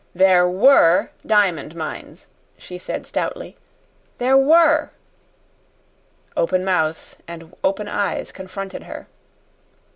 "There WERE diamond mines," she said stoutly; "there WERE!" Open mouths and open eyes confronted her.